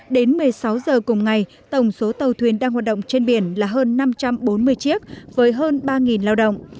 đến một mươi sáu giờ cùng ngày tổng số tàu thuyền đang hoạt động trên biển là hơn năm trăm bốn mươi chiếc với hơn ba lao động